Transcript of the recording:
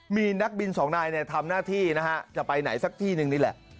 มีนักบินสองนายทำหน้าที่นะฮะจะไปไหนสักที่หนึ่งนี่แหละ